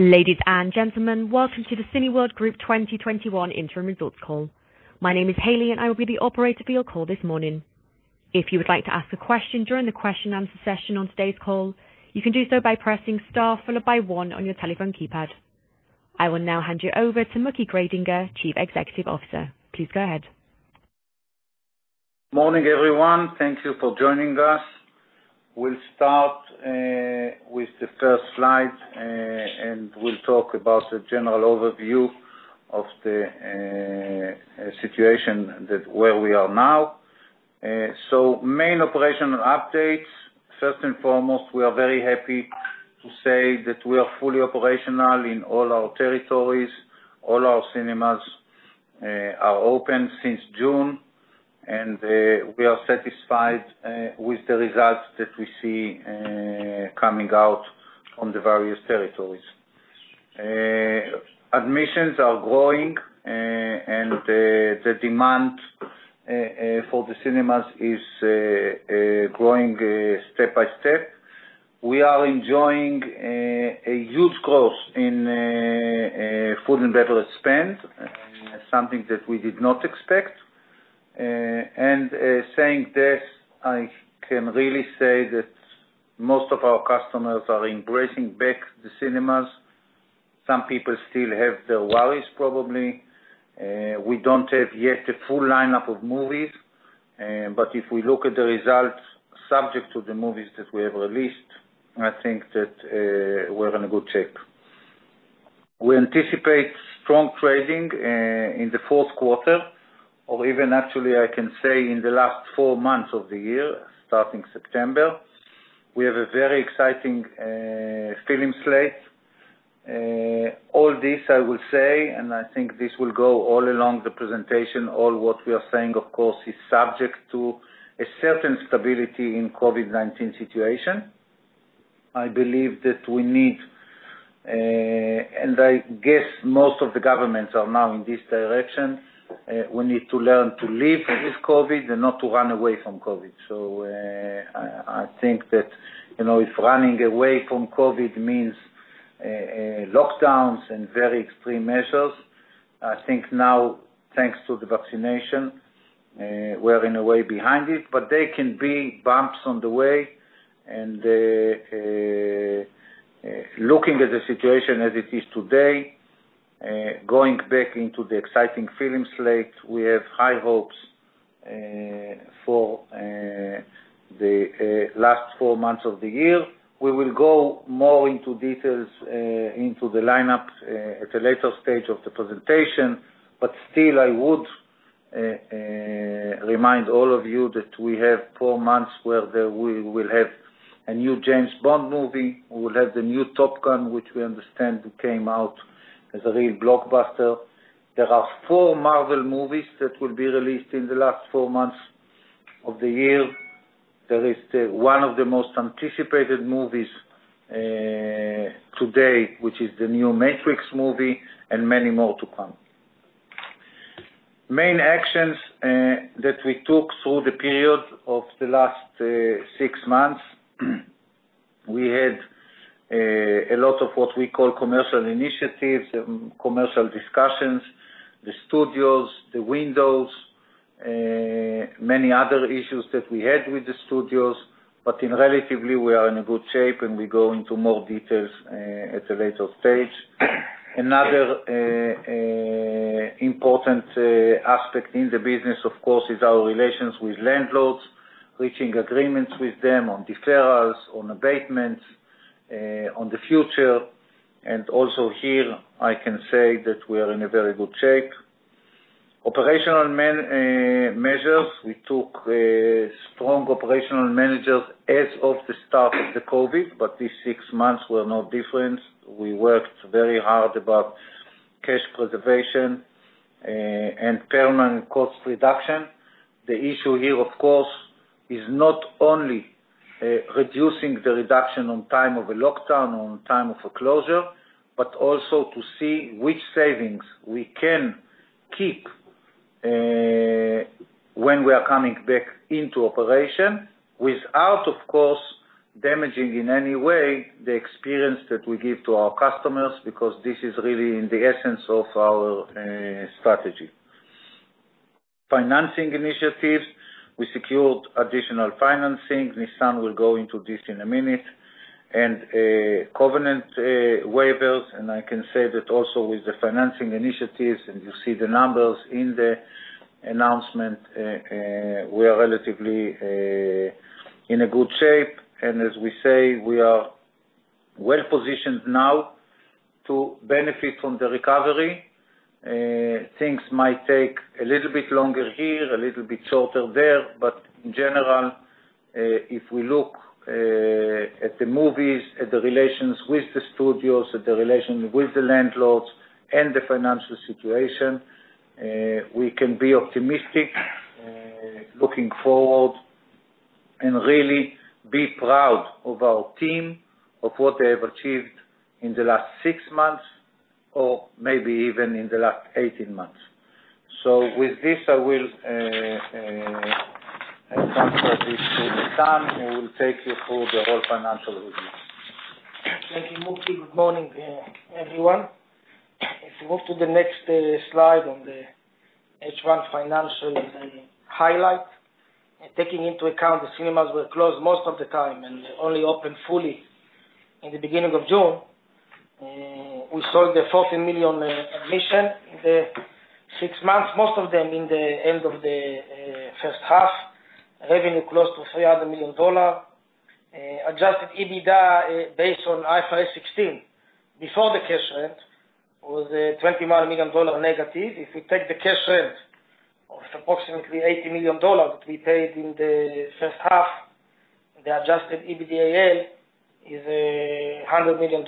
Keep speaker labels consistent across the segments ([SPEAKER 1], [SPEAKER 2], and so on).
[SPEAKER 1] Ladies and gentlemen, welcome to the Cineworld Group 2021 Interim Results Call. My name is Haley, and I will be the operator for your call this morning. If you would like to ask a question during the question and answer session on today's call, you can do so by pressing star followed by one on your telephone keypad. I will now hand you over to Mooky Greidinger, Chief Executive Officer. Please go ahead.
[SPEAKER 2] Morning, everyone. Thank you for joining us. We'll start with the first slide, and we'll talk about the general overview of the situation, where we are now. Main operational updates. First and foremost, we are very happy to say that we are fully operational in all our territories. All our cinemas are open since June, and we are satisfied with the results that we see coming out from the various territories. Admissions are growing, and the demand for the cinemas is growing step by step. We are enjoying a huge growth in food and beverage spend, something that we did not expect. Saying this, I can really say that most of our customers are embracing back the cinemas. Some people still have their worries, probably. We don't have yet a full lineup of movies. If we look at the results subject to the movies that we have released, I think that we're in a good shape. We anticipate strong trading in the Q4 or even, actually, I can say in the last four months of the year, starting September. We have a very exciting film slate. All this I will say, and I think this will go all along the presentation, all what we are saying, of course, is subject to a certain stability in COVID-19 situation. I believe that we need, and I guess most of the governments are now in this direction, we need to learn to live with COVID and not to run away from COVID. I think that if running away from COVID means lockdowns and very extreme measures, I think now, thanks to the vaccination, we're in a way behind it, but there can be bumps on the way. Looking at the situation as it is today, going back into the exciting film slate, we have high hopes for the last four months of the year. We will go more into details into the lineup at a later stage of the presentation. Still, I would remind all of you that we have four months where we will have a new James Bond movie. We will have the new Top Gun, which we understand came out as a real blockbuster. There are four Marvel movies that will be released in the last four months of the year. There is one of the most anticipated movies, today, which is the new Matrix movie, and many more to come. Main actions that we took through the period of the last six months. We had a lot of what we call commercial initiatives, commercial discussions, the studios, the windows, many other issues that we had with the studios, but in relatively, we are in a good shape, and we go into more details at a later stage. Another important aspect in the business, of course, is our relations with landlords, reaching agreements with them on deferrals, on abatements, on the future. Also here I can say that we are in a very good shape. Operational measures. We took strong operational measures as of the start of the COVID, but these six months were no different. We worked very hard about cash preservation and permanent cost reduction. The issue here, of course, is not only reducing the reduction on time of a lockdown, on time of a closure, but also to see which savings we can keep, when we are coming back into operation without, of course, damaging in any way the experience that we give to our customers, because this is really in the essence of our strategy. Financing initiatives. We secured additional financing. Nisan will go into this in a minute. Covenant waivers, and I can say that also with the financing initiatives, and you see the numbers in the announcement, we are relatively in a good shape. As we say, we are well-positioned now to benefit from the recovery. Things might take a little bit longer here, a little bit shorter there. In general, if we look at the movies, at the relations with the studios, at the relation with the landlords and the financial situation, we can be optimistic, looking forward and really be proud of our team, of what they have achieved in the last six months or maybe even in the last 18 months. With this, I transfer this to Nisan, who will take you through the whole financial review.
[SPEAKER 3] Thank you, Mooky. Good morning, everyone. If you move to the next slide on the H1 financial highlights. Taking into account the cinemas were closed most of the time and only opened fully in the beginning of June, we saw the 40 million admissions in the six months, most of them in the end of the first half. Revenue close to $300 million. Adjusted EBITDA based on IFRS 16, before the cash rent, was $21 million negative. If you take the cash rent of approximately $80 million that we paid in the first half, the Adjusted EBITDA is $100 million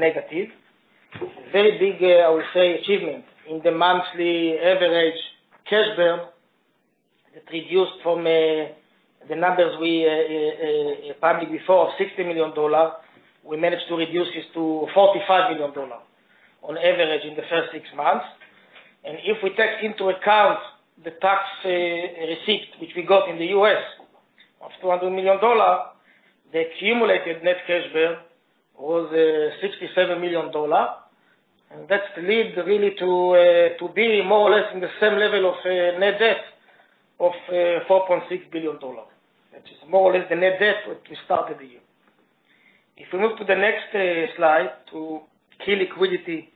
[SPEAKER 3] negative. Very big, I would say, achievement in the monthly average cash burn that reduced from the numbers we published before of $60 million. We managed to reduce this to $45 million on average in the first six months. If we take into account the tax receipt, which we got in the U.S. of $200 million, the accumulated net cash burn was $67 million. That leads really to be more or less in the same level of net debt of $4.6 billion, which is more or less the net debt that we started the year. If we move to the next slide to key liquidity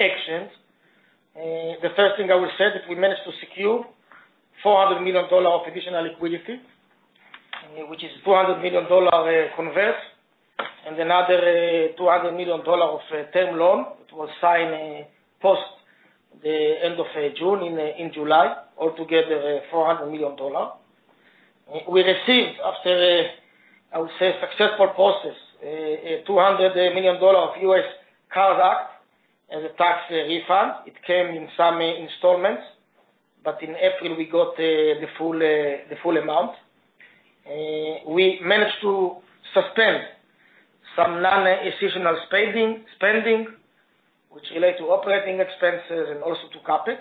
[SPEAKER 3] actions. The first thing I will say is that we managed to secure $400 million of additional liquidity, which is $400 million converts and another $200 million of term loan, which was signed post the end of June, in July, altogether $400 million. We received after, I would say, a successful process, $200 million of U.S. CARES Act as a tax refund. It came in some installments, but in April we got the full amount. We managed to sustain some non-additional spending, which relate to operating expenses and also to CapEx.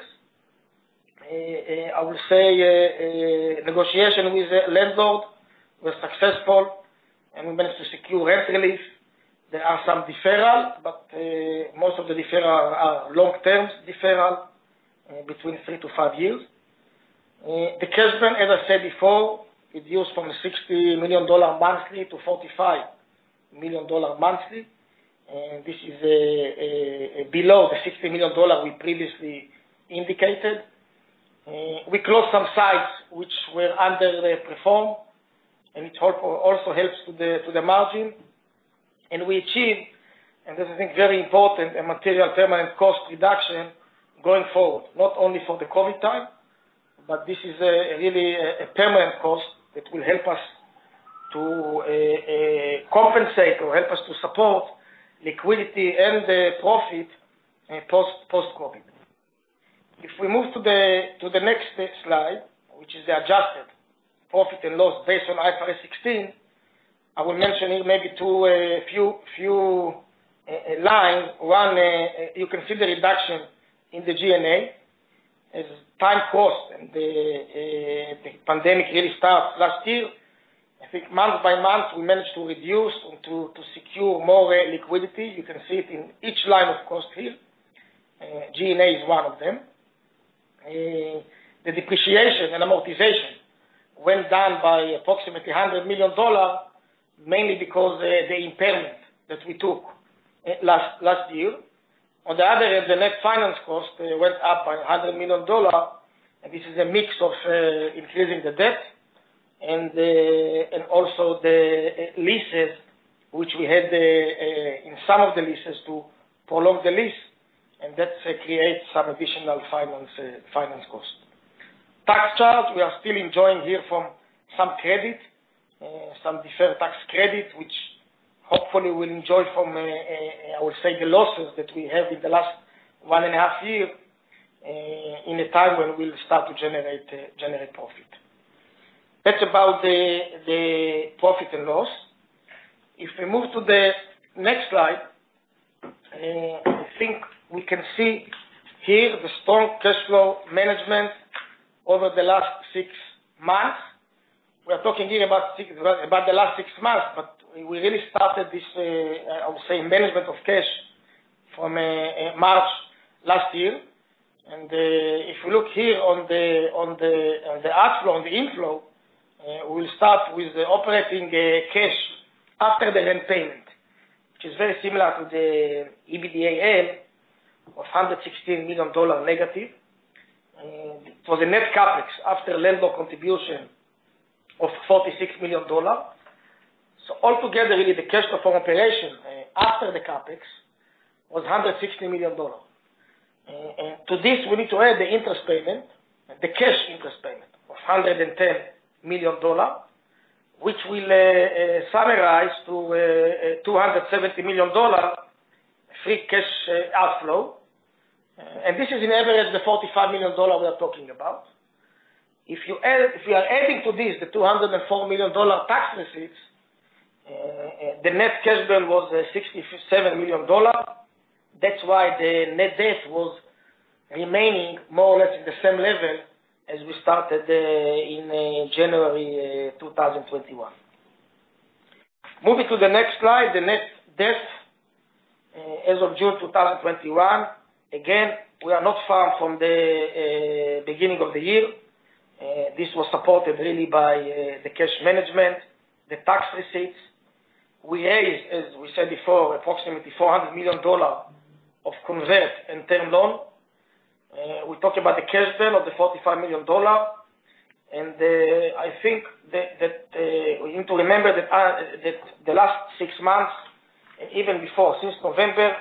[SPEAKER 3] I will say negotiation with the landlord was successful, we managed to secure rent relief. There are some deferral, most of the deferral are long-term deferral, between three to five years. The cash burn, as I said before, reduced from $60 million monthly to $45 million monthly. This is below the $60 million we previously indicated. We closed some sites which were underperform, it also helps to the margin. We achieved, and this is, I think, very important, a material permanent cost reduction going forward, not only for the COVID time, this is really a permanent cost that will help us to compensate or help us to support liquidity and the profit post-COVID. If we move to the next slide, which is the adjusted profit and loss based on IFRS 16. I will mention a few lines. One. You can see the reduction in the G&A as time cost and the pandemic really started last year. I think month by month, we managed to reduce and to secure more liquidity. You can see it in each line, of course, here. G&A is one of them. The depreciation and amortization went down by approximately $100 million, mainly because the impairment that we took last year. On the other, the net finance cost went up by $100 million. This is a mix of increasing the debt and also the leases, which we had in some of the leases to prolong the lease, and that creates some additional finance cost. Tax charge, we are still enjoying here from some credit, some deferred tax credit, which hopefully we'll enjoy from the losses that we had in the last 1.5 years, in a time when we'll start to generate profit. That's about the P&L. If we move to the next slide, I think we can see here the strong cash flow management over the last six months. We're talking here about the last six months, but we really started this management of cash from March last year. If you look here on the outflow and the inflow, we'll start with the operating cash after the rent payment, which is very similar to the EBITDA of $116 million negative. For the net CapEx after landlord contribution of $46 million. Altogether, really the cash flow from operation after the CapEx was $160 million. To this, we need to add the interest payment, the cash interest payment of $110 million, which will summarize to $270 million free cash outflow. This is in average the $45 million we are talking about. If you are adding to this, the $204 million tax receipts, the net cash burn was $67 million. That's why the net debt was remaining more or less at the same level as we started in January 2021. Moving to the next slide, the net debt as of June 2021. We are not far from the beginning of the year. This was supported really by the cash management, the tax receipts. We raised, as we said before, approximately $400 million of convert and term loan. We talked about the cash burn of the $45 million. I think that we need to remember that the last six months, even before, since November,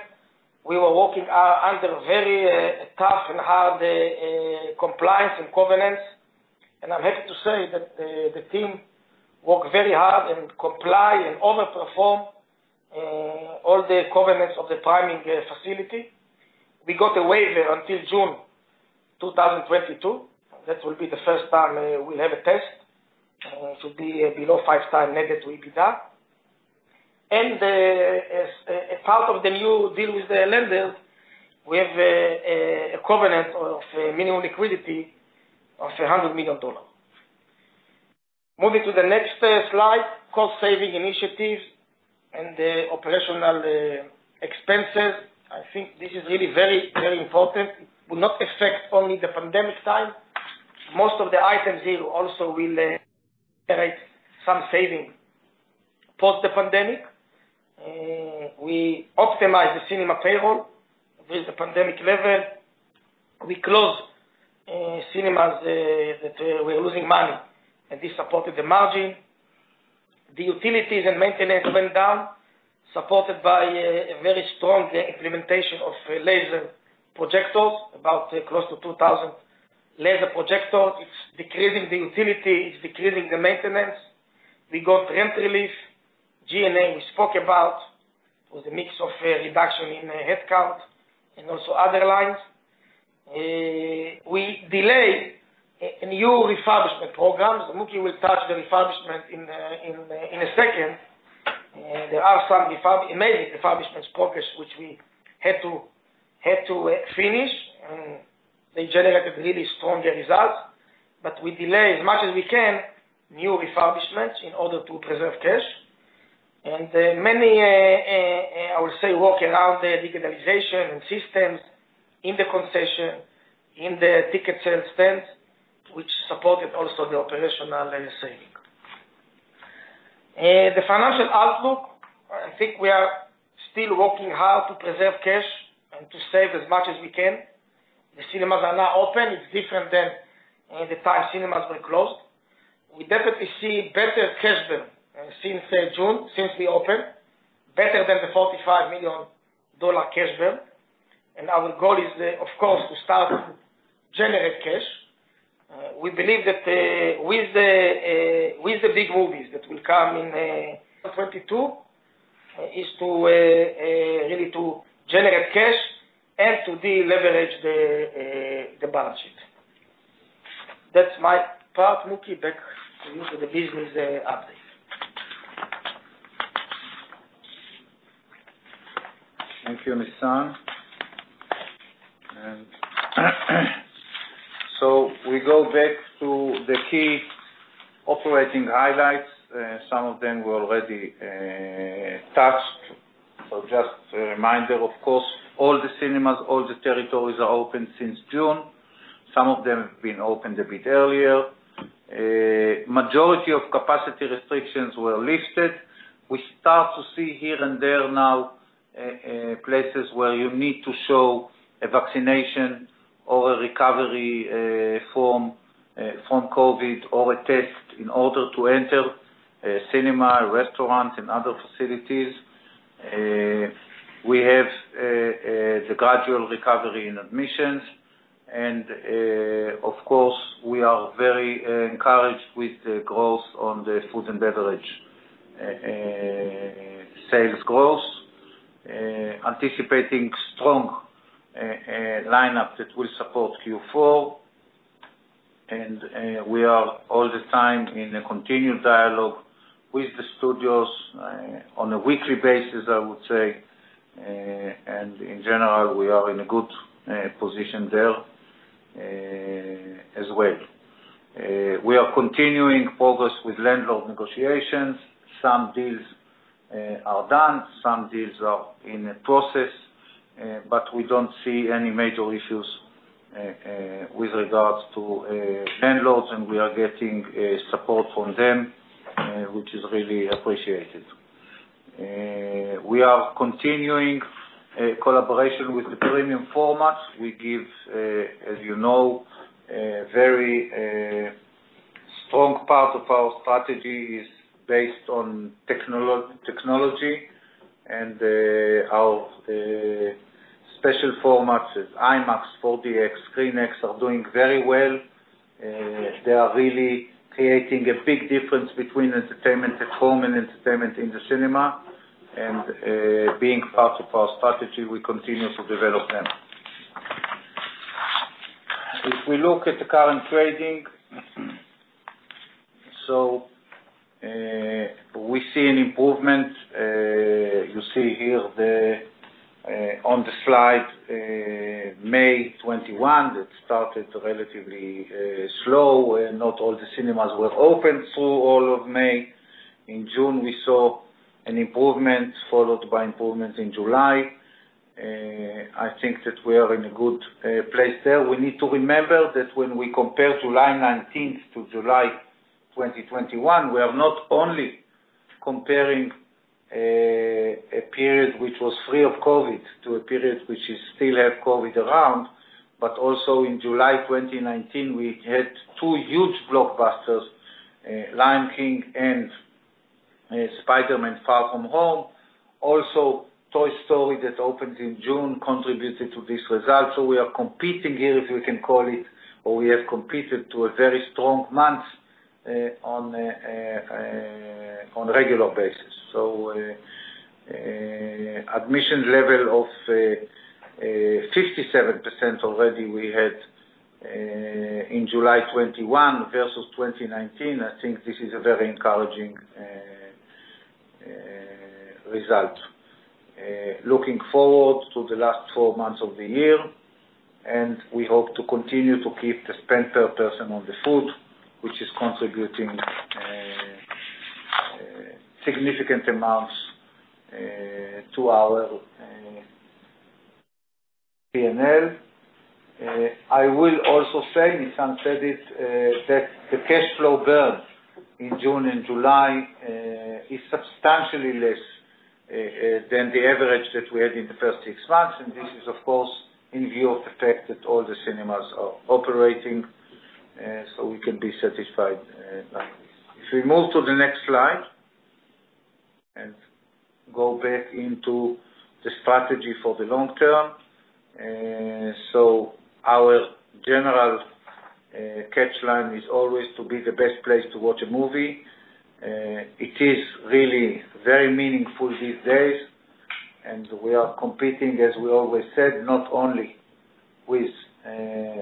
[SPEAKER 3] we were working under very tough and hard compliance and covenants. I am happy to say that the team worked very hard and comply and over-perform all the covenants of the priming facility. We got a waiver until June 2022. That will be the first time we will have a test to be below 5x net debt to EBITDA. As a part of the new deal with the lender, we have a covenant of minimum liquidity of $100 million. Moving to the next slide, cost-saving initiatives and the operational expenses. I think this is really very important. This will not affect only the pandemic time. Most of the items here also will generate some savings post the pandemic. We optimize the cinema payroll with the pandemic level. We closed cinemas that were losing money, and this supported the margin. The utilities and maintenance went down, supported by a very strong implementation of laser projectors, about close to 2,000 laser projectors. It's decreasing the utility, it's decreasing the maintenance. We got rent relief. G&A, we spoke about, was a mix of reduction in headcount and also other lines. We delay new refurbishment programs. Mooky will touch the refurbishment in a second. There are some amazing refurbishment progress which we had to finish, and they generated really strong results. We delay as much as we can new refurbishments in order to preserve cash. Many, I would say, work around the digitalization and systems in the concession, in the ticket sales stands, which supported also the operational saving. The financial outlook, I think we are still working hard to preserve cash and to save as much as we can. The cinemas are now open. It's different than the time cinemas were closed. We definitely see better cash burn since June, since we opened, better than the $45 million cash burn. Our goal is, of course, to start generate cash. We believe that with the big movies that will come in 2022, is really to generate cash and to deleverage the balance sheet. That's my part. Mooky, back to you for the business update.
[SPEAKER 2] Thank you, Nisan. We go back to the key operating highlights. Some of them we already touched. Just a reminder, of course, all the cinemas, all the territories are open since June. Some of them have been opened a bit earlier. Majority of capacity restrictions were lifted. We start to see here and there now, places where you need to show a vaccination or a recovery form from COVID or a test in order to enter a cinema, a restaurant, and other facilities. We have the gradual recovery in admissions. Of course, we are very encouraged with the growth on the food and beverage sales growth. Anticipating strong lineup that will support Q4. We are all the time in a continued dialogue with the studios on a weekly basis, I would say. In general, we are in a good position there as well. We are continuing progress with landlord negotiations. Some deals are done, some deals are in process. We don't see any major issues with regards to landlords, and we are getting support from them, which is really appreciated. We are continuing collaboration with the premium formats. As you know, very strong part of our strategy is based on technology, and our special formats as IMAX, 4DX, ScreenX, are doing very well. They are really creating a big difference between entertainment at home and entertainment in the cinema. Being part of our strategy, we continue to develop them. If we look at the current trading, we see an improvement. You see here on the slide, May 2021, that started relatively slow, where not all the cinemas were open through all of May. In June, we saw an improvement, followed by improvement in July. I think that we are in a good place there. We need to remember that when we compare July 2019 to July 2021, we are not only comparing a period which was free of COVID to a period which still has COVID around, but also in July 2019, we had two huge blockbusters, The Lion King and Spider-Man: Far From Home. Toy Story that opened in June contributed to this result. We are competing here, if we can call it, or we have competed to a very strong month on a regular basis. Admission level of 57% already we had in July 2021 versus 2019. I think this is a very encouraging result. Looking forward to the last four months of the year, we hope to continue to keep the spend per person on the food, which is contributing significant amounts to our P&L. I will also say, Nisan said it, that the cash flow burn in June and July is substantially less than the average that we had in the first six months, and this is, of course, in view of the fact that all the cinemas are operating, so we can be satisfied like this. If we move to the next slide and go back into the strategy for the long term. Our general catch line is always to be the best place to watch a movie. It is really very meaningful these days, and we are competing, as we always said, not only with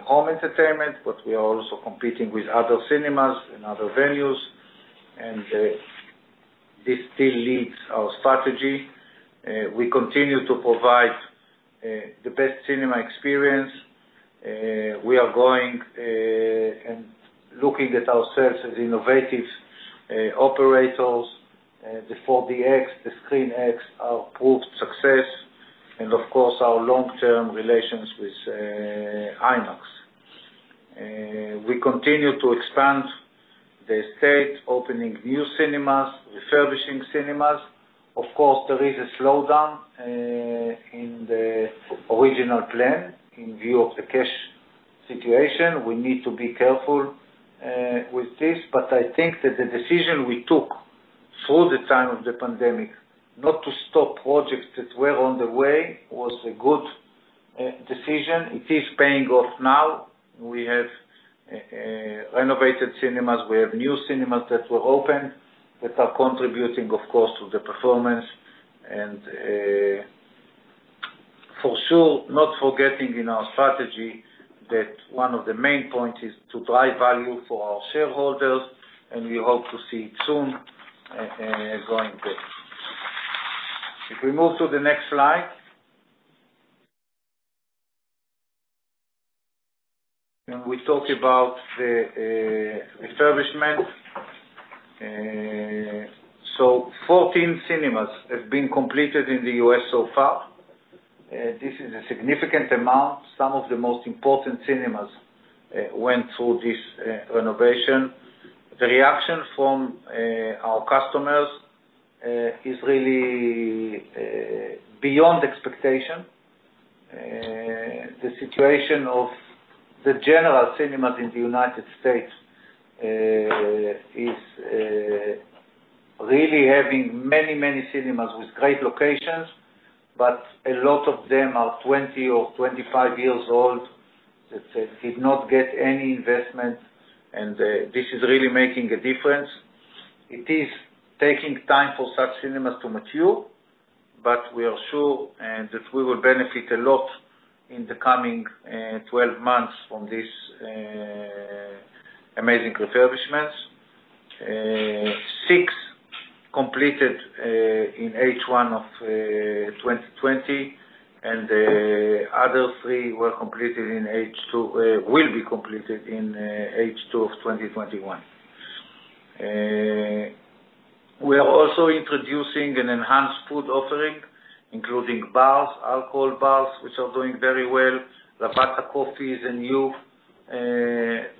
[SPEAKER 2] home entertainment, but we are also competing with other cinemas and other venues. This still leads our strategy. We continue to provide the best cinema experience. We are going and looking at ourselves as innovative operators. The 4DX, the ScreenX are proved success, and of course, our long-term relations with IMAX. We continue to expand the estate, opening new cinemas, refurbishing cinemas. Of course, there is a slowdown in the original plan. In view of the cash situation, we need to be careful with this. I think that the decision we took through the time of the pandemic not to stop projects that were on the way was a good decision. It is paying off now. We have renovated cinemas, we have new cinemas that were opened that are contributing, of course, to the performance. For sure, not forgetting in our strategy that one of the main points is to drive value for our shareholders, and we hope to see it soon going there. If we move to the next slide. Now we talk about the refurbishment. 14 cinemas have been completed in the U.S. so far. This is a significant amount. Some of the most important cinemas went through this renovation. The reaction from our customers is really beyond expectation. The situation of the general cinemas in the United States is really having many cinemas with great locations, but a lot of them are 20 or 25 years old that did not get any investment, and this is really making a difference. It is taking time for such cinemas to mature, but we are sure and that we will benefit a lot in the coming 12 months from this amazing refurbishment. Six completed in H1 of 2020, the other three will be completed in H2 of 2021. We are also introducing an enhanced food offering, including bars, alcohol bars, which are doing very well. Lavazza Coffee is a new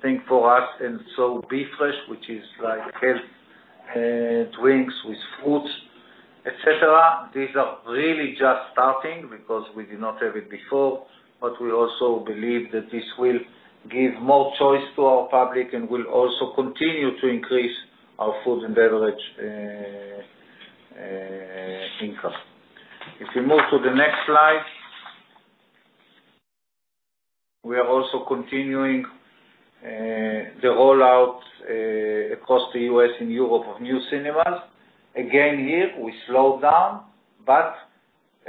[SPEAKER 2] thing for us, and so B-Fresh, which is like health drinks with fruits, et cetera. These are really just starting because we did not have it before, but we also believe that this will give more choice to our public and will also continue to increase our food and beverage income. If we move to the next slide. We are also continuing the rollout across the U.S. and Europe of new cinemas. Again here, we slowed down, but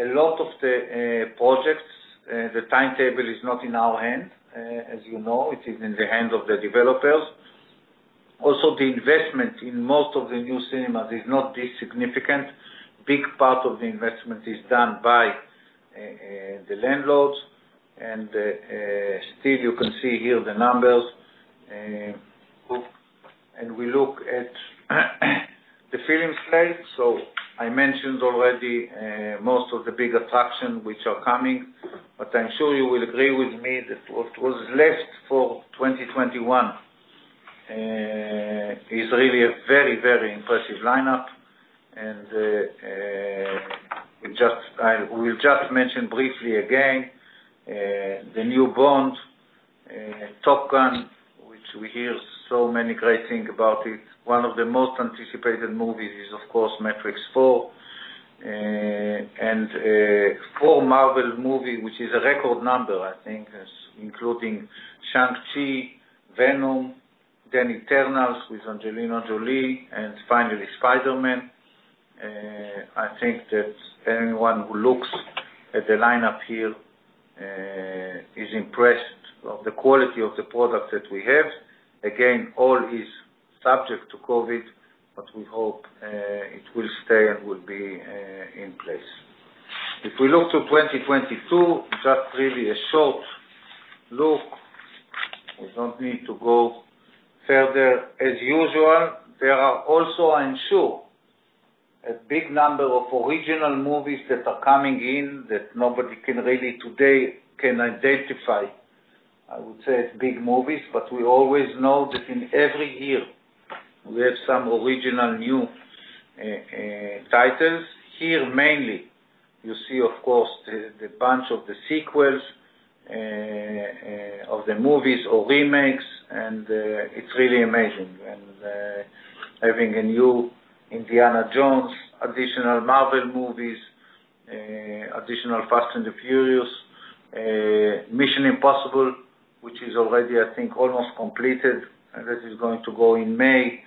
[SPEAKER 2] a lot of the projects, the timetable is not in our hand, as you know. It is in the hands of the developers. Also, the investment in most of the new cinemas is not this significant. Big part of the investment is done by the landlords, and still you can see here the numbers. We look at the film slate. I mentioned already most of the big attractions which are coming, but I'm sure you will agree with me that what was left for 2021 is really a very, very impressive lineup. We'll just mention briefly again, the new "Bond," "Top Gun," which we hear so many great things about it. One of the most anticipated movies is, of course, "Matrix 4," and four Marvel movies, which is a record number, I think, including "Shang-Chi," "Venom," then "Eternals" with Angelina Jolie, and finally, "Spider-Man." Anyone who looks at the lineup here is impressed of the quality of the product that we have. All is subject to COVID, but we hope it will stay and will be in place. If we look to 2022, just really a short look. We don't need to go further. As usual, there are also, I'm sure, a big number of original movies that are coming in that nobody can really today can identify. I would say it's big movies, but we always know that in every year, we have some original new titles. Here mainly, you see, of course, the bunch of the sequels of the movies or remakes, and it's really amazing. Having a new "Indiana Jones," additional Marvel movies, additional "Fast & Furious," "Mission: Impossible," which is already, I think, almost completed. That is going to go in May,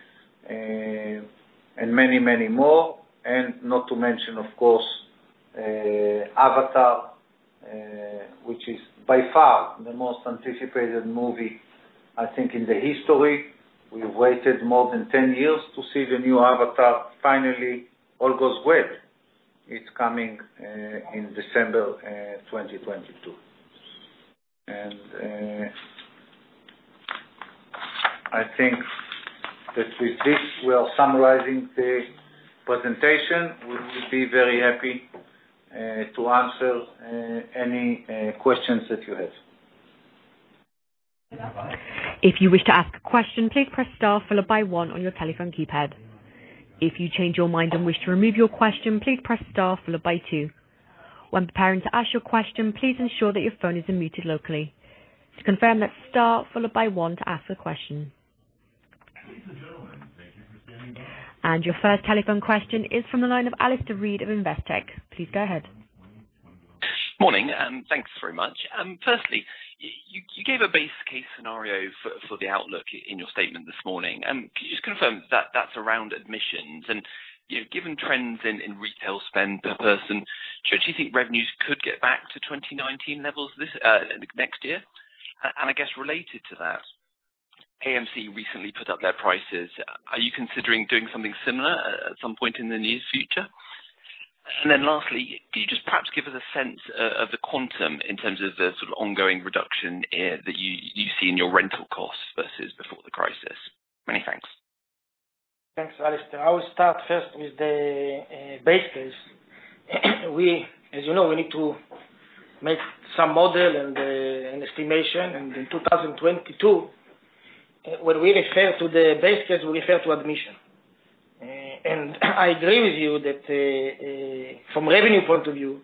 [SPEAKER 2] and many, many more. Not to mention, of course, "Avatar," which is by far the most anticipated movie, I think, in the history. We've waited more than 10 years to see the new "Avatar." Finally, all goes well, it's coming in December 2022. I think that with this, we are summarizing the presentation. We would be very happy to answer any questions that you have.
[SPEAKER 1] If you wish to ask a question, please press star followed by one on your telephone keypad. If you change your mind and wish to remove your question, please press star followed by two. When preparing to ask your question, please ensure that your phone is unmuted locally. To confirm, that's star followed by one to ask a question. Your first telephone question is from the line of Alastair Reid of Investec. Please go ahead.
[SPEAKER 4] Morning, thanks very much. Firstly, you gave a base case scenario for the outlook in your statement this morning. Can you just confirm that that's around admissions? And given trends in retail spend per person, do you think revenues could get back to 2019 levels next year? I guess related to that, AMC recently put up their prices. Are you considering doing something similar at some point in the near future? Lastly, could you just perhaps give us a sense of the quantum in terms of the sort of ongoing reduction that you see in your rental costs versus before the crisis? Many thanks.
[SPEAKER 3] Thanks, Alastair. I will start first with the base case. As you know, we need to make some model and estimation. In 2022, when we refer to the base case, we refer to admission. I agree with you that from revenue point of view,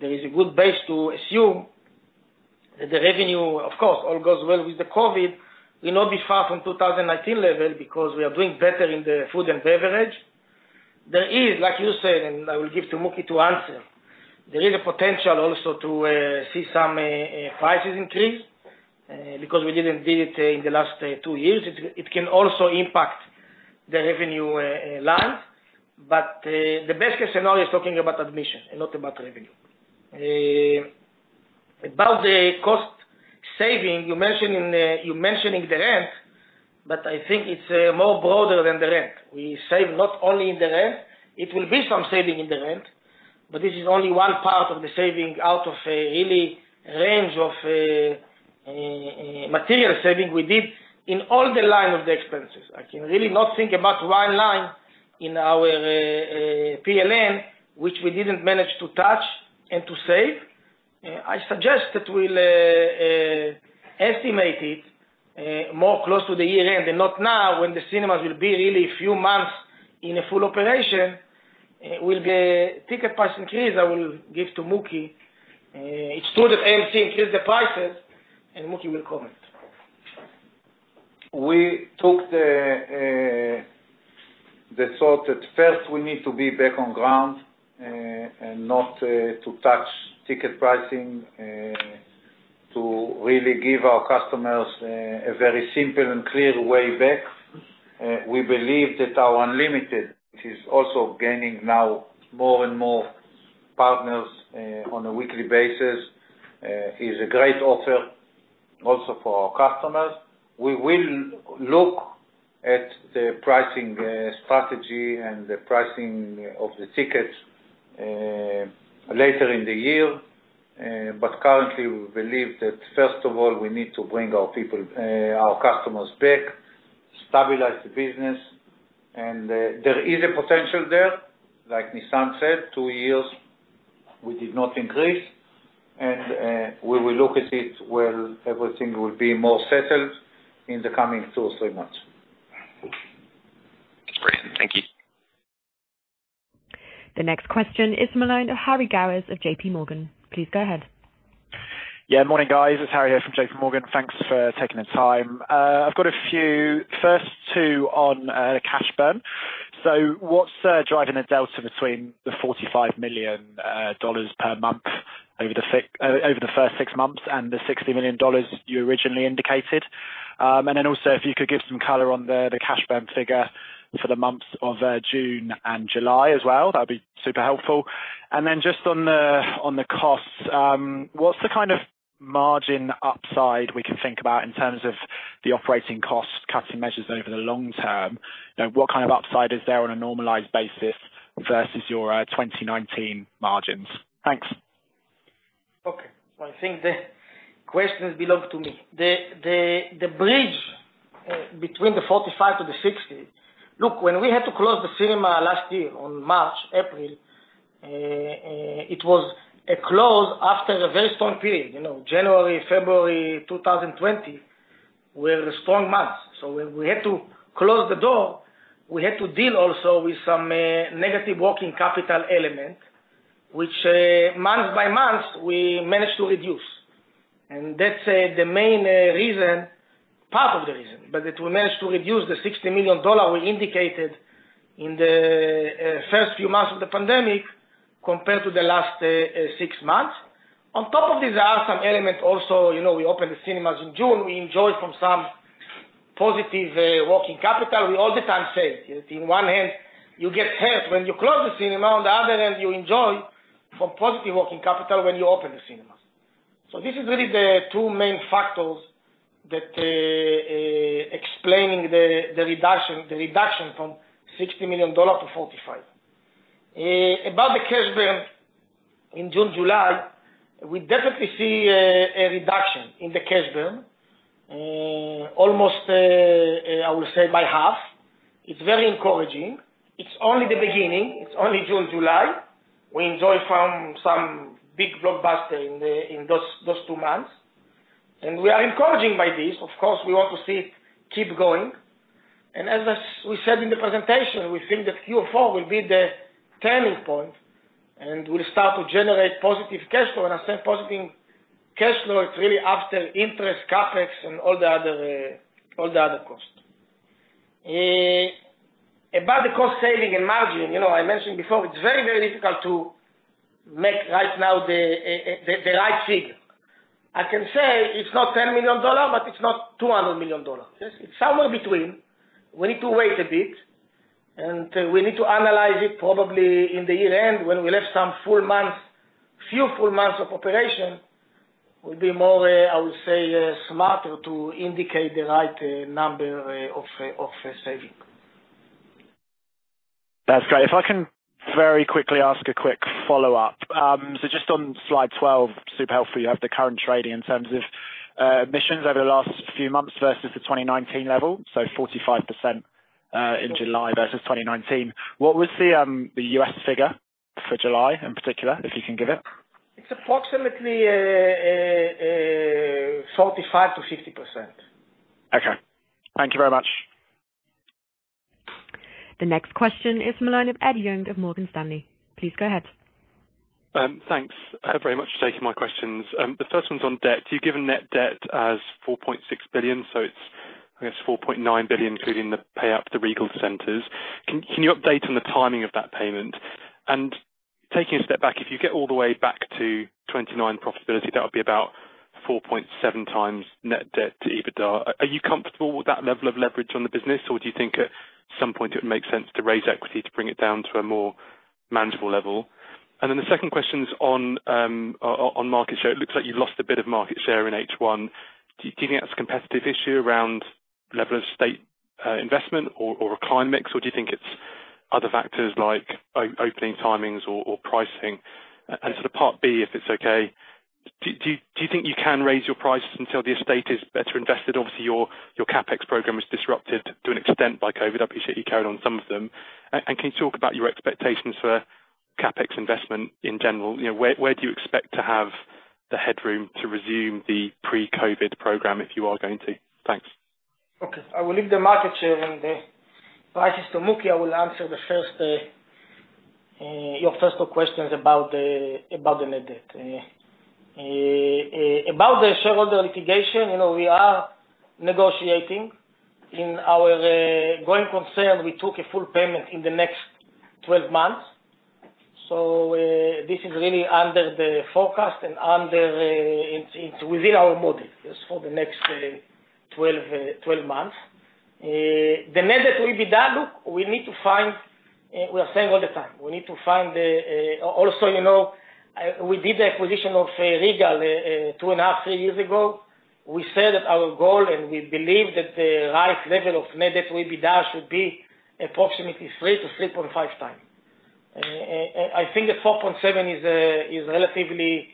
[SPEAKER 3] there is a good base to assume the revenue, of course, all goes well with the COVID, will not be far from 2019 level because we are doing better in the food and beverage. There is, like you said, and I will give to Mooky to answer, there is a potential also to see some prices increase because we didn't do it in the last two years. It can also impact the revenue line. The base case scenario is talking about admission and not about revenue. About the cost saving, you mentioning the rent, but I think it's more broader than the rent. We save not only in the rent. It will be some saving in the rent, but this is only one part of the saving out of a really range of material saving we did in all the line of the expenses. I can really not think about one line in our P&L which we didn't manage to touch and to save. I suggest that we'll estimate it more close to the year-end and not now when the cinemas will be really a few months in a full operation. Ticket price increase, I will give to Mooky. It's true that AMC increased the prices, and Mooky will comment.
[SPEAKER 2] We took the-First, we need to be back on ground, and not to touch ticket pricing, to really give our customers a very simple and clear way back. We believe that our Unlimited, which is also gaining now more and more partners on a weekly basis, is a great offer also for our customers. We will look at the pricing strategy and the pricing of the tickets later in the year. Currently, we believe that first of all, we need to bring our customers back, stabilize the business. There is a potential there, like Nisan said, two years we did not increase. We will look at it when everything will be more settled in the coming two, three months.
[SPEAKER 4] Okay. Thank you.
[SPEAKER 1] The next question is the line of Harry Gowers of JPMorgan. Please go ahead.
[SPEAKER 5] Morning, guys. It's Harry here from JPMorgan. Thanks for taking the time. I've got a few. First, two on cash burn. What's driving the delta between the $45 million per month over the first six months and the $60 million you originally indicated? Also, if you could give some color on the cash burn figure for the months of June and July as well, that'd be super helpful. Just on the costs, what's the kind of margin upside we can think about in terms of the operating cost cutting measures over the long term? What kind of upside is there on a normalized basis versus your 2019 margins? Thanks.
[SPEAKER 3] Okay. I think the questions belong to me. The bridge between the $45 million to the $60 million. Look, when we had to close the cinema last year on March, April, it was a close after a very strong period. January, February 2020 were strong months. When we had to close the door, we had to deal also with some negative working capital element, which month by month we managed to reduce. That's part of the reason. That we managed to reduce the $60 million we indicated in the first few months of the pandemic compared to the last six months. On top of this, are some elements also, we opened the cinemas in June, we enjoyed from some positive working capital. We all the time say, in one hand, you get hurt when you close the cinema. You enjoy from positive working capital when you open the cinemas. This is really the two main factors explaining the reduction from $60 million to $45 million. About the cash burn in June, July, we definitely see a reduction in the cash burn. Almost, I would say by half. It's very encouraging. It's only the beginning. It's only June, July. We enjoy from some big blockbuster in those two months. We are encouraging by this. Of course, we want to see it keep going. As we said in the presentation, we think that Q4 will be the turning point, and we'll start to generate positive cash flow. I said positive cash flow is really after interest, CapEx and all the other costs. About the cost saving and margin, I mentioned before, it's very, very difficult to make right now the right figure. I can say it's not $10 million, but it's not $200 million. It's somewhere between. We need to wait a bit, and we need to analyze it probably in the year-end, when we left some few full months of operation, will be more, I would say, smarter to indicate the right number of saving.
[SPEAKER 5] That's great. If I can very quickly ask a quick follow-up. Just on slide 12, super helpful, you have the current trading in terms of admissions over the last few months versus the 2019 level. 45% in July versus 2019. What was the U.S. figure for July in particular, if you can give it?
[SPEAKER 3] It's approximately 45%-50%.
[SPEAKER 5] Okay. Thank you very much.
[SPEAKER 1] The next question is the line of Ed Young of Morgan Stanley. Please go ahead.
[SPEAKER 6] Thanks very much for taking my questions. The first one's on debt. You've given net debt as $4.6 billion, so it's, I guess $4.9 billion including the payout to the Regal Cinemas. Can you update on the timing of that payment? Taking a step back, if you get all the way back to 2019 profitability, that would be about 4.7x net debt to EBITDA. Are you comfortable with that level of leverage on the business, or do you think at some point it would make sense to raise equity to bring it down to a more manageable level? The second question is on market share. It looks like you lost a bit of market share in H1. Do you think that's a competitive issue around level of site investment or a client mix, or do you think it's other factors like opening timings or pricing? Sort of part B, if it's okay, do you think you can raise your prices until the estate is better invested? Obviously, your CapEx program was disrupted to an extent by COVID. I appreciate you carried on some of them. Can you talk about your expectations for CapEx investment in general? Where do you expect to have the headroom to resume the pre-COVID program if you are going to? Thanks.
[SPEAKER 3] Okay. I will leave the market share and the prices to Mooky. I will answer your first two questions about the net debt. About the shareholder litigation, we are negotiating. In our going concern, we took a full payment in the next 12 months. This is really under the forecast, and it's within our model just for the next 12 months. The net debt will be done, we are saying all the time, also we did the acquisition of Regal two and a half, three years ago. We said that our goal, and we believe that the right level of net debt will be done, should be approximately 3x-3.5x. I think that 4.7x is a relatively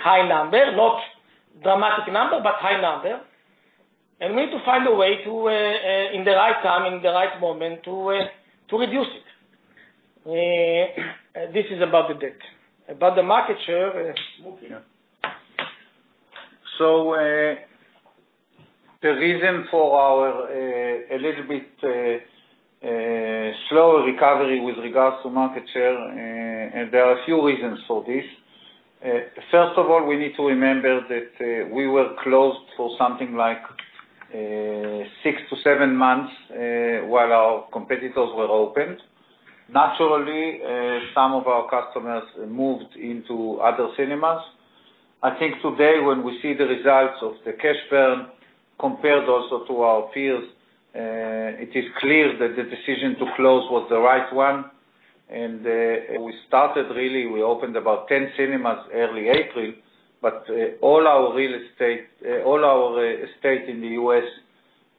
[SPEAKER 3] high number. Not dramatic number, but high number. We need to find a way, in the right time, in the right moment, to reduce it. This is about the debt. About the market share, Mooky?
[SPEAKER 2] The reason for our little bit slower recovery with regards to market share, there are a few reasons for this. First of all, we need to remember that we were closed for something like six to seven months, while our competitors were open. Naturally, some of our customers moved into other cinemas. I think today when we see the results of the cash burn, compared also to our peers, it is clear that the decision to close was the right one. We opened about 10 cinemas early April, but all our estate in the U.S.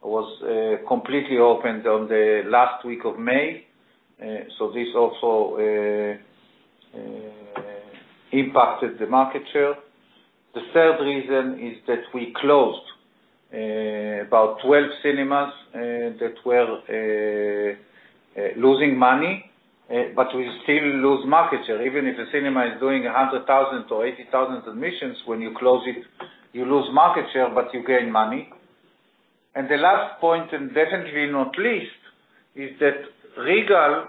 [SPEAKER 2] was completely open on the last week of May. This also impacted the market share. The third reason is that we closed about 12 cinemas that were losing money, but we still lose market share. Even if a cinema is doing 100,000 or 80,000 admissions, when you close it, you lose market share, but you gain money. The last point, and definitely not least, is that Regal,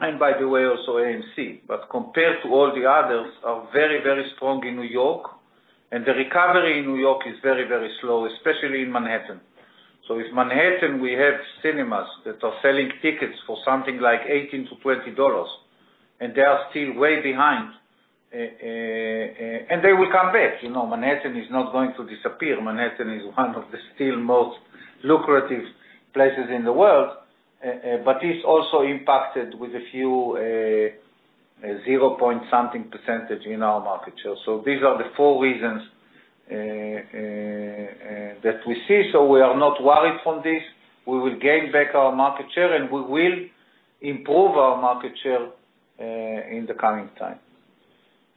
[SPEAKER 2] and by the way, also AMC, but compared to all the others, are very, very strong in New York, and the recovery in New York is very, very slow, especially in Manhattan. If Manhattan, we have cinemas that are selling tickets for something like $18-$20, and they are still way behind. They will come back, Manhattan is not going to disappear. Manhattan is one of the still most lucrative places in the world. It's also impacted with a few, zero point something percentage in our market share. These are the four reasons that we see, so we are not worried for this. We will gain back our market share, and we will improve our market share, in the coming time.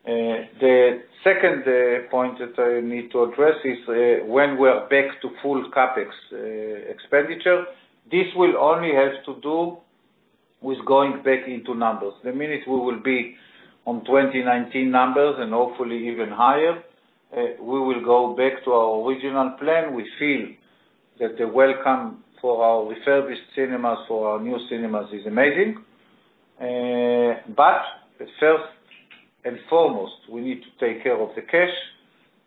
[SPEAKER 2] The second point that I need to address is when we are back to full CapEx expenditure. This will only have to do with going back into numbers. The minute we will be on 2019 numbers, and hopefully even higher, we will go back to our original plan. We feel that the welcome for our refurbished cinemas, for our new cinemas is amazing. First and foremost, we need to take care of the cash,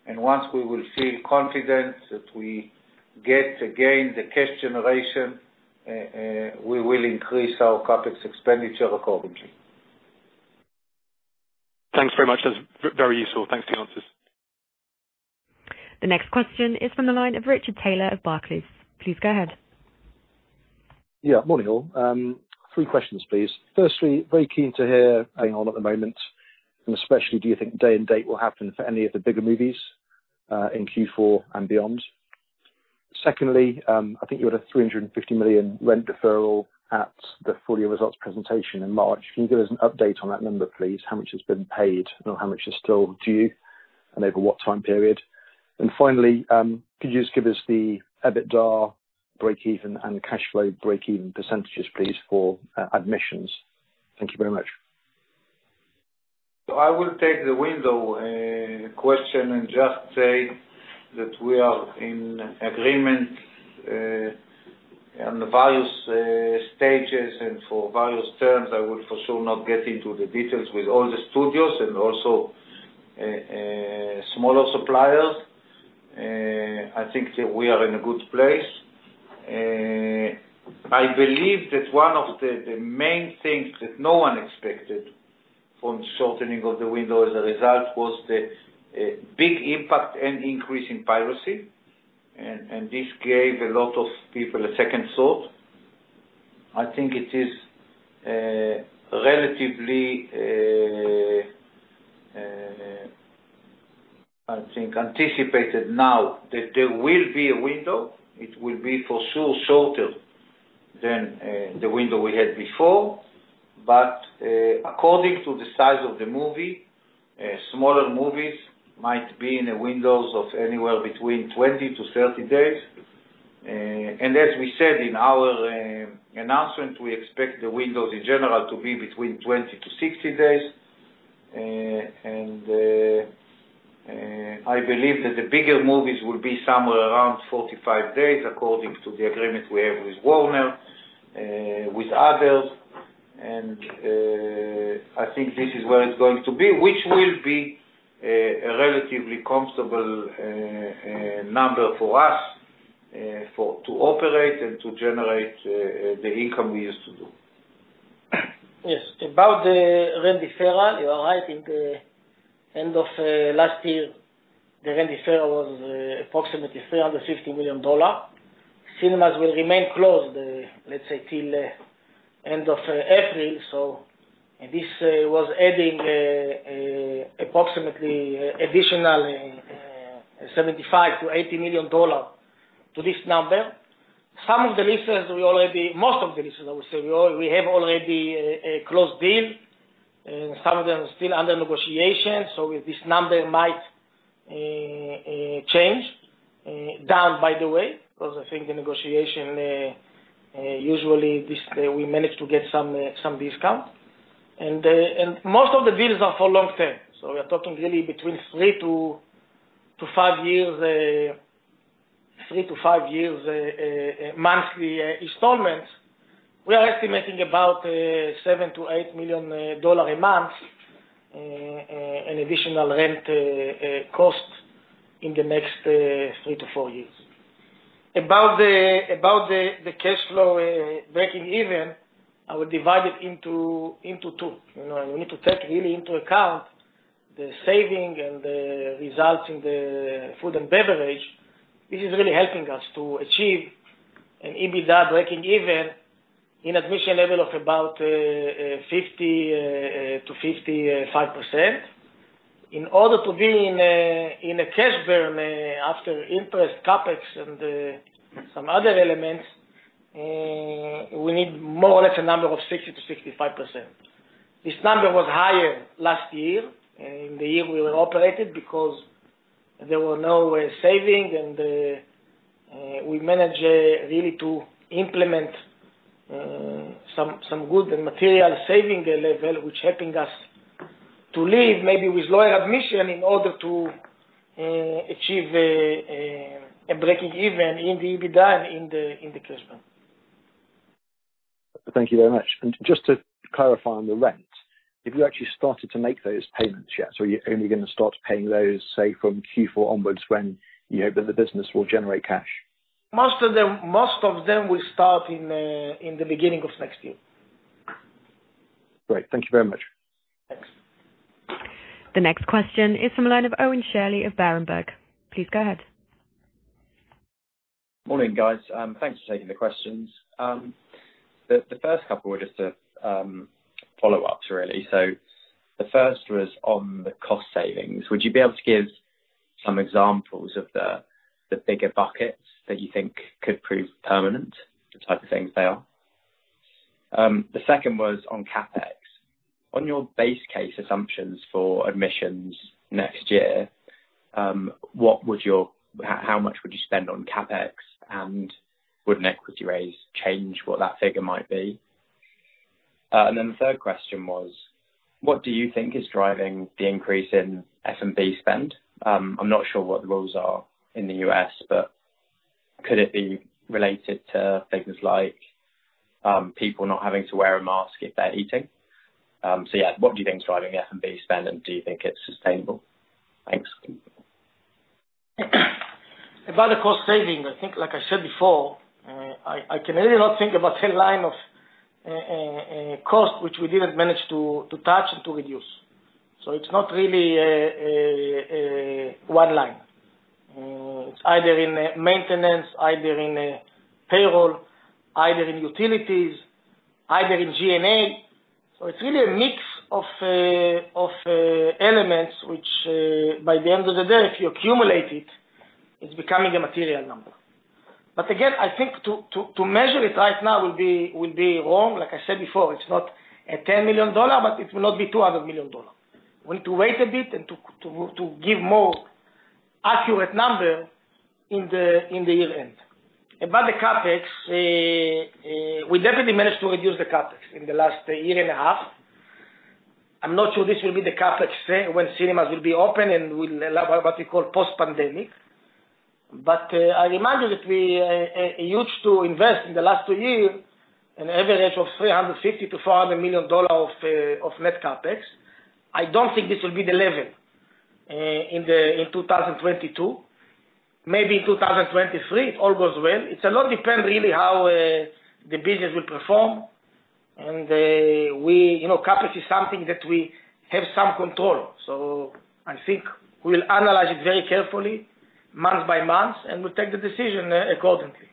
[SPEAKER 2] and once we will feel confident that we get, again, the cash generation, we will increase our CapEx expenditure accordingly.
[SPEAKER 6] Thanks very much. That's very useful. Thanks for the answers.
[SPEAKER 1] The next question is from the line of Richard Taylor of Barclays. Please go ahead.
[SPEAKER 7] Yeah. Morning, all. Three questions, please. Firstly, very keen to hear hang on at the moment, and especially do you think day and date will happen for any of the bigger movies, in Q4 and beyond? Secondly, I think you had a $350 million rent deferral at the full year results presentation in March. Can you give us an update on that number, please? How much has been paid, or how much is still due, and over what time period? Finally, could you just give us the EBITDA breakeven and cash flow breakeven percentages, please, for admissions? Thank you very much.
[SPEAKER 2] I will take the window question and just say that we are in agreement, on the various stages and for various terms. I will for sure not get into the details with all the studios and also, smaller suppliers. I think that we are in a good place. I believe that one of the main things that no one expected from shortening of the window as a result was the big impact and increase in piracy, and this gave a lot of people a second thought. I think it is relatively, I think anticipated now that there will be a window. It will be for sure shorter than the window we had before. According to the size of the movie, smaller movies might be in the windows of anywhere between 20-30 days. As we said in our announcement, we expect the windows in general to be between 20-60 days. I believe that the bigger movies will be somewhere around 45 days, according to the agreement we have with Warner, with others, and I think this is where it's going to be, which will be a relatively comfortable number for us to operate and to generate the income we used to do.
[SPEAKER 3] Yes. About the rent deferral, you are right. I think end of last year, the rent deferral was approximately $350 million. Cinemas will remain closed, let's say, till end of April. This was adding approximately additional $75 million-$80 million to this number. Most of the leases, I would say, we have already a closed deal. Some of them are still under negotiation. This number might change. Down, by the way, because I think the negotiation, usually, we manage to get some discount. Most of the deals are for long-term. We're talking really between three to five years monthly installments. We are estimating about $7 million-$8 million a month, an additional rent cost in the next three to five years. About the cashflow breaking even, I would divide it into two. We need to take really into account the saving and the results in the food and beverage. This is really helping us to achieve an EBITDA breaking even in admission level of about 50%-55%. In order to be in a cash burn after interest, CapEx, and some other elements, we need more or less a number of 60%-65%. This number was higher last year, in the year we were operated, because there were no saving, and we managed really to implement some good and material saving level, which helping us to lead maybe with lower admission in order to achieve a breaking even in the EBITDA in the cash burn.
[SPEAKER 7] Thank you very much. Just to clarify on the rent, have you actually started to make those payments yet, or you're only going to start paying those, say, from Q4 onwards when you hope that the business will generate cash?
[SPEAKER 3] Most of them will start in the beginning of next year.
[SPEAKER 7] Great. Thank you very much.
[SPEAKER 3] Thanks.
[SPEAKER 1] The next question is from the line of Owen Shirley of Berenberg. Please go ahead.
[SPEAKER 8] Morning, guys. Thanks for taking the questions. The first couple were just follow-ups, really. The first was on the cost savings. Would you be able to give some examples of the bigger buckets that you think could prove permanent, the type of things they are? The second was on CapEx. On your base case assumptions for admissions next year, how much would you spend on CapEx, and would an equity raise change what that figure might be? The third question was, what do you think is driving the increase in F&B spend? I'm not sure what the rules are in the U.S., but could it be related to things like people not having to wear a mask if they're eating? Yeah, what do you think is driving the F&B spend, and do you think it's sustainable? Thanks.
[SPEAKER 3] About the cost saving, I think like I said before, I can really not think about a line of cost which we didn't manage to touch and to reduce. It's not really a one line. It's either in maintenance, either in payroll, either in utilities, either in G&A. It's really a mix of elements, which by the end of the day, if you accumulate it's becoming a material number. Again, I think to measure it right now will be wrong. Like I said before, it's not a $10 million, but it will not be $200 million. We need to wait a bit and to give more accurate number in the year-end. About the CapEx, we definitely managed to reduce the CapEx in the last year and a half. I'm not sure this will be the CapEx when cinemas will be open and we'll have what we call post-pandemic. I remind you that we used to invest in the last two years an average of $350 million-$400 million of net CapEx. I don't think this will be the level in 2022. Maybe in 2023, if all goes well. It a lot depend really how the business will perform. CapEx is something that we have some control. I think we'll analyze it very carefully month by month, and we'll take the decision accordingly.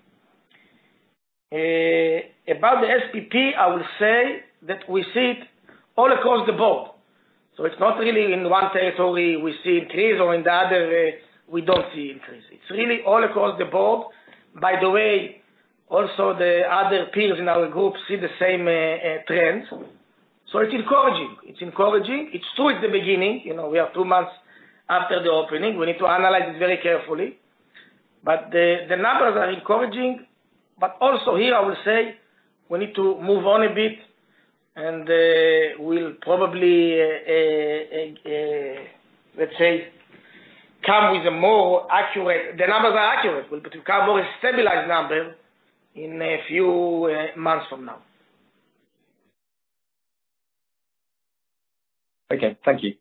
[SPEAKER 3] About the SPP, I will say that we see it all across the board. It's not really in one territory we see increase or in the other we don't see increase. It's really all across the board. By the way, also the other peers in our group see the same trends. It's encouraging. It's true at the beginning. We are two months after the opening. We need to analyze it very carefully. The numbers are encouraging. Also here, I will say we need to move on a bit. The numbers are accurate. We'll come with a stabilized number in a few months from now.
[SPEAKER 8] Okay, thank you.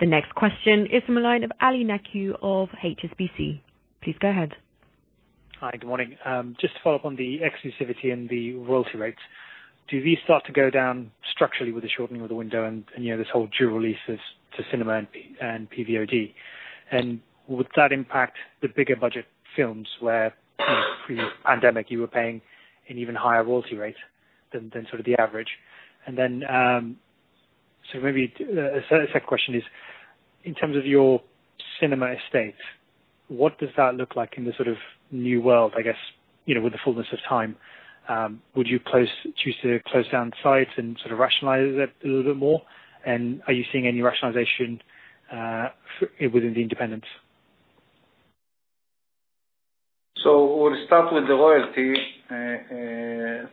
[SPEAKER 1] The next question is from the line of Ali Naqvi of HSBC. Please go ahead.
[SPEAKER 9] Hi. Good morning. Just to follow up on the exclusivity and the royalty rates. Do these start to go down structurally with the shortening of the window and, this whole dual release to cinema and PVOD? Would that impact the bigger budget films where, pre-pandemic, you were paying an even higher royalty rate than sort of the average? Maybe a second question is, in terms of your cinema estate, what does that look like in the sort of new world, I guess, with the fullness of time? Would you choose to close down sites and sort of rationalize it a little bit more? Are you seeing any rationalization within the independents?
[SPEAKER 2] We'll start with the royalty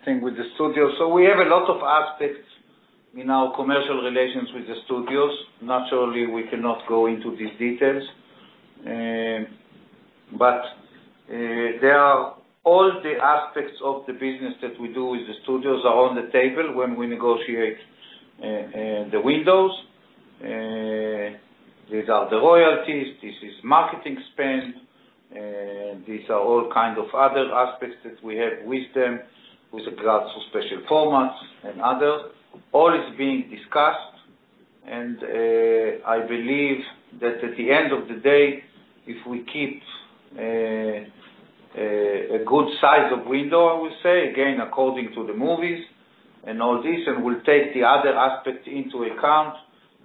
[SPEAKER 2] thing with the studios. We have a lot of aspects in our commercial relations with the studios. Naturally, we cannot go into these details. There are all the aspects of the business that we do with the studios are on the table when we negotiate the windows. These are the royalties, this is marketing spend, these are all kind of other aspects that we have with them with regards to special formats and others. All is being discussed. I believe that at the end of the day, if we keep a good size of window, I would say, again according to the movies and all this, and we'll take the other aspects into account,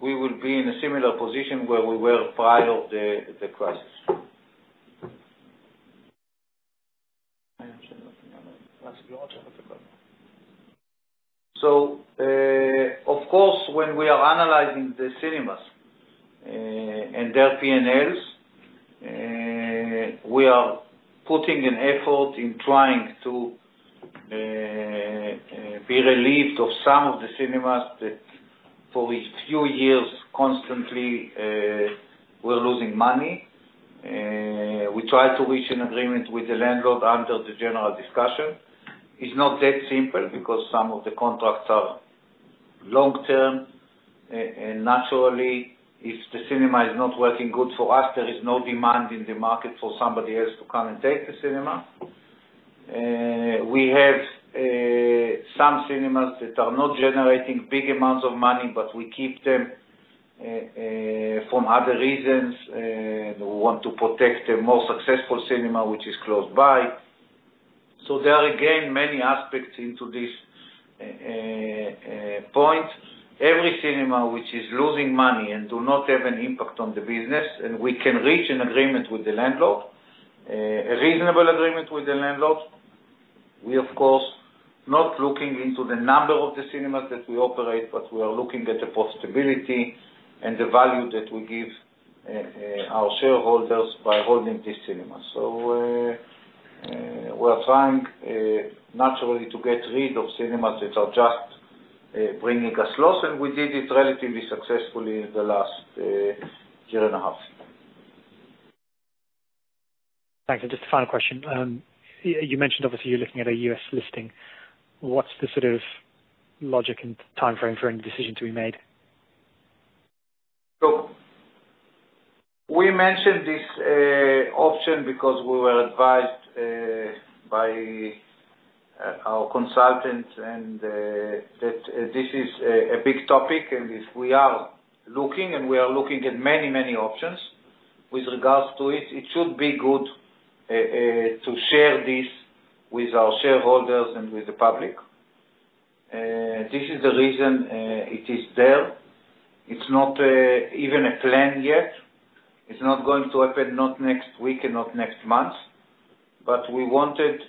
[SPEAKER 2] we will be in a similar position where we were prior to the crisis. Of course, when we are analyzing the cinemas and their P&Ls, we are putting an effort in trying to be relieved of some of the cinemas that for a few years constantly were losing money. We try to reach an agreement with the landlord under the general discussion. It's not that simple because some of the contracts are long-term, and naturally, if the cinema is not working good for us, there is no demand in the market for somebody else to come and take the cinema. We have some cinemas that are not generating big amounts of money, but we keep them, for other reasons. We want to protect a more successful cinema, which is close by. There are, again, many aspects into this point. Every cinema which is losing money and do not have an impact on the business, and we can reach an agreement with the landlord, a reasonable agreement with the landlord. We, of course, not looking into the number of the cinemas that we operate, but we are looking at the profitability and the value that we give our shareholders by holding these cinemas. We are trying naturally to get rid of cinemas that are just bringing us loss, and we did it relatively successfully in the last year and a half.
[SPEAKER 9] Thanks. Just a final question. You mentioned, obviously, you're looking at a U.S. listing. What's the sort of logic and timeframe for any decision to be made?
[SPEAKER 2] We mentioned this option because we were advised by our consultant, and that this is a big topic, and we are looking at many options with regards to it. It should be good to share this with our shareholders and with the public. This is the reason it is there. It's not even a plan yet. It's not going to happen, not next week and not next month. We wanted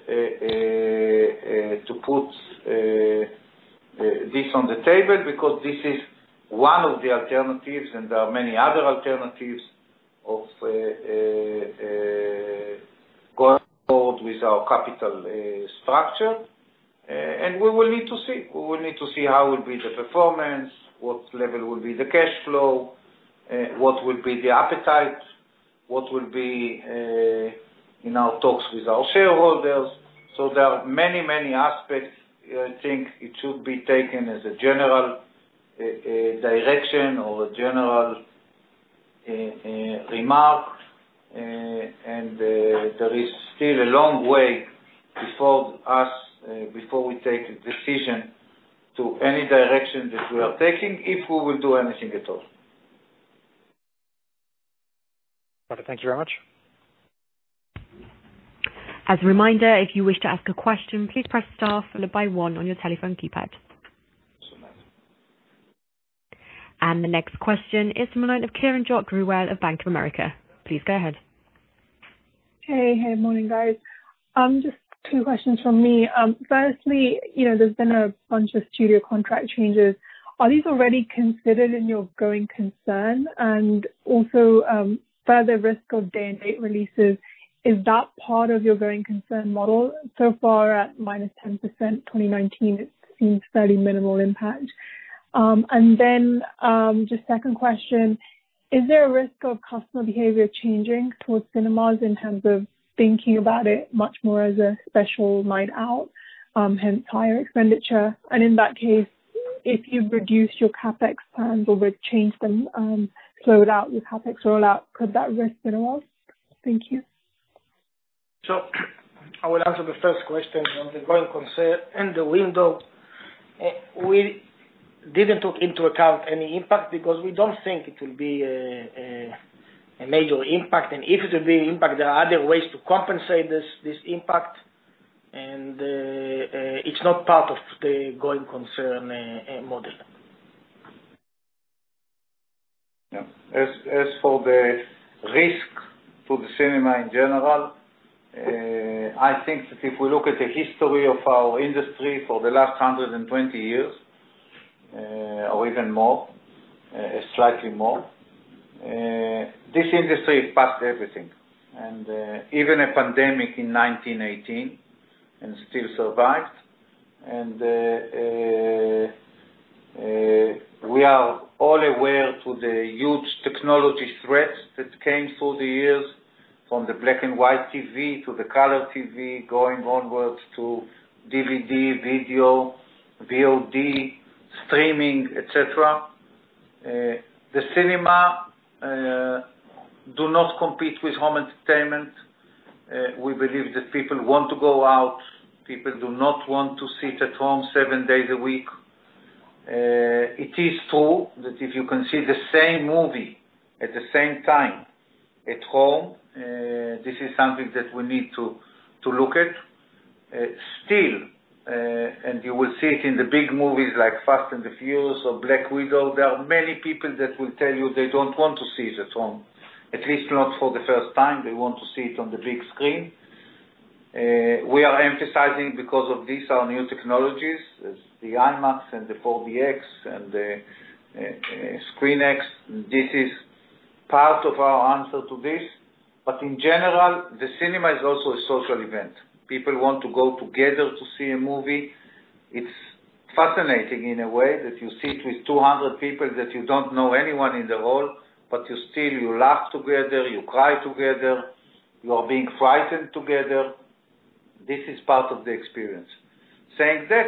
[SPEAKER 2] to put this on the table because this is one of the alternatives, and there are many other alternatives, of going forward with our capital structure. We will need to see. We will need to see how will be the performance, what level will be the cash flow, what will be the appetite, what will be in our talks with our shareholders. There are many aspects. I think it should be taken as a general direction or a general remark. There is still a long way before us, before we take a decision to any direction that we are taking, if we will do anything at all.
[SPEAKER 9] Okay. Thank you very much.
[SPEAKER 1] As a reminder, if you wish to ask a question, please press star followed by one on your telephone keypad. The next question is from the line of Kiranjot Grewal of Bank of America. Please go ahead.
[SPEAKER 10] Hey, good morning, guys. Just two questions from me. Firstly, there's been a bunch of studio contract changes. Are these already considered in your going concern? Also, further risk of day-and-date releases, is that part of your going concern model? So far at -10% 2019, it seems fairly minimal impact. Then just second question, is there a risk of customer behavior changing towards cinemas in terms of thinking about it much more as a special night out, hence higher expenditure? In that case, if you reduce your CapEx plans or change them, slow it out, your CapEx rollout, could that risk cinema? Thank you.
[SPEAKER 3] I will answer the first question on the going concern and the window. We didn't take into account any impact because we don't think it will be a major impact. If it will be an impact, there are other ways to compensate this impact, and it's not part of the going concern model.
[SPEAKER 2] As for the risk to the cinema in general, I think that if we look at the history of our industry for the last 120 years, or even more, slightly more, this industry passed everything, and even a pandemic in 1918 and still survived. We are all aware to the huge technology threats that came through the years, from the black and white TV, to the color TV, going onwards to DVD, video, VOD, streaming, et cetera. The cinema do not compete with home entertainment. We believe that people want to go out. People do not want to sit at home seven days a week. It is true that if you can see the same movie at the same time at home, this is something that we need to look at. Still, you will see it in the big movies like "Fast & Furious" or "Black Widow," there are many people that will tell you they don't want to see it at home. At least not for the first time. They want to see it on the big screen. We are emphasizing because of this, our new technologies, the IMAX and the 4DX and the ScreenX. This is part of our answer to this. In general, the cinema is also a social event. People want to go together to see a movie. It's fascinating in a way that you sit with 200 people that you don't know anyone in the hall, but still you laugh together, you cry together, you're being frightened together. This is part of the experience. Saying that,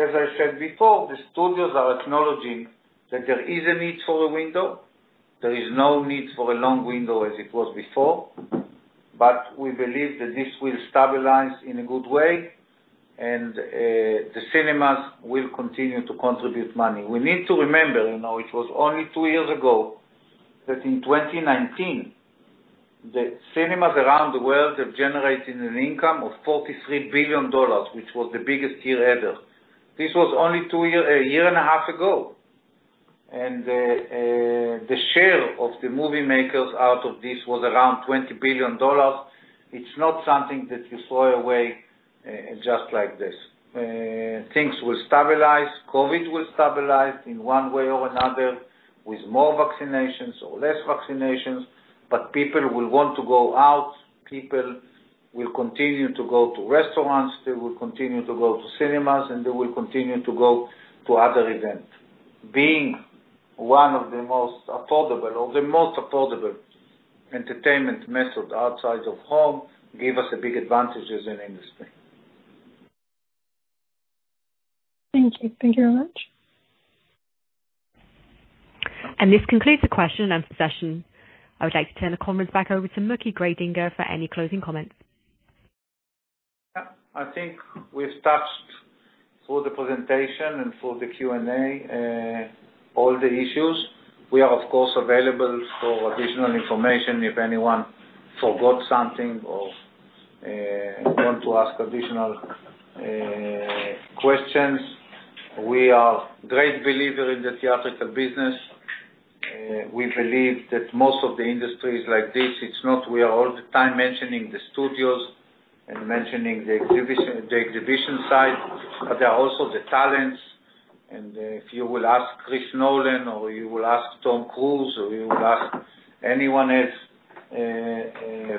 [SPEAKER 2] as I said before, the studios are acknowledging that there is a need for a window. There is no need for a long window as it was before. We believe that this will stabilize in a good way, and the cinemas will continue to contribute money. We need to remember, it was only two years ago that in 2019, the cinemas around the world have generated an income of $43 billion, which was the biggest year ever. This was only a year and a half ago. The share of the movie makers out of this was around $20 billion. It's not something that you throw away just like this. Things will stabilize. COVID will stabilize in one way or another, with more vaccinations or less vaccinations. People will want to go out. People will continue to go to restaurants, they will continue to go to cinemas, and they will continue to go to other events. Being one of the most affordable or the most affordable entertainment method outside of home, gave us a big advantage as an industry.
[SPEAKER 10] Thank you. Thank you very much.
[SPEAKER 1] This concludes the question-and-answer session. I would like to turn the conference back over to Mooky Greidinger for any closing comments.
[SPEAKER 2] I think we've touched for the presentation and for the Q&A, all the issues. We are, of course, available for additional information if anyone forgot something or want to ask additional questions. We are great believer in the theatrical business. We believe that most of the industries like this, it's not we are all the time mentioning the studios and mentioning the exhibition side, but there are also the talents. If you will ask Chris Nolan or you will ask Tom Cruise, or you will ask anyone else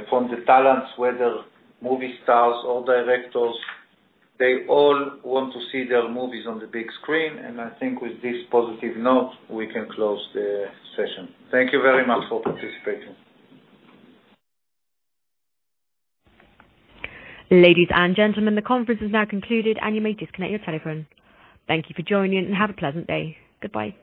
[SPEAKER 2] from the talents, whether movie stars or directors, they all want to see their movies on the big screen. I think with this positive note, we can close the session. Thank you very much for participating.
[SPEAKER 1] Ladies and gentlemen, the conference is now concluded, and you may disconnect your telephone. Thank you for joining, and have a pleasant day. Goodbye